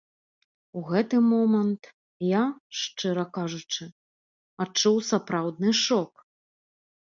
У гэты момант я, шчыра кажучы, адчуў сапраўдны шок.